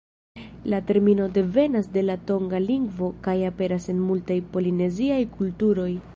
La termino devenas de la tonga lingvo kaj aperas en multaj polineziaj kulturoj.